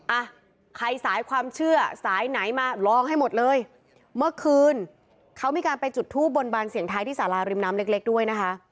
อ่ะใครสายความเชื่อสายไหนมาลองให้หมดเลยเมื่อคืนเขามีการไปจุดทูบบนบานเสียงท้ายที่สาราริมน้ำเล็กเล็กด้วยนะคะ